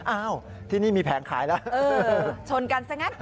อ้าวที่นี่มีแผงขายแล้วเออชนกันซะงั้น